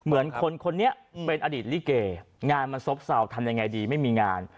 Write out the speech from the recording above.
เหมือนคนคนนี้เป็นอดีตลิเกงานมันซบเศร้าทำยังไงดีไม่มีงาน